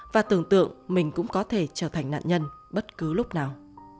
và tưởng tượng mình cũng có thể trở thành nạn nhân bất cứ lúc nào